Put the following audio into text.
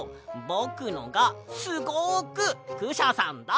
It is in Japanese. ぼくのがすごくクシャさんだ！